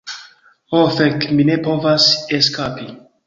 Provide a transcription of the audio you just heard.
Oh fek, mi ne povas eskapi!